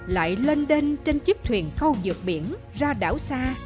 lại lênh đênh trên chiếc thuyền câu dược biển ra đảo xa